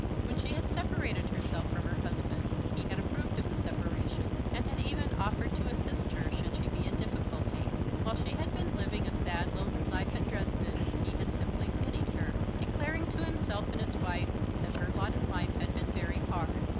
When she had separated herself from her husband he had approved of the separation, and had even offered to assist her should she be in difficulty. While she had been living a sad lonely life at Dresden, he had simply pitied her, declaring to himself and his wife that her lot in life had been very hard.